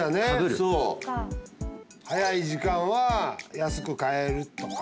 早い時間は安く買えるとか。